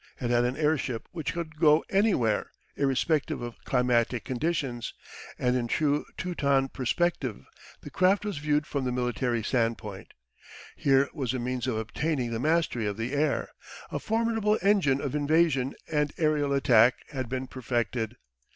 It had an airship which could go anywhere, irrespective of climatic conditions, and in true Teuton perspective the craft was viewed from the military standpoint. Here was a means of obtaining the mastery of the air: a formidable engine of invasion and aerial attack had been perfected.